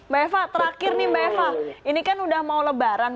mbak eva terakhir nih mbak eva ini kan udah mau lebaran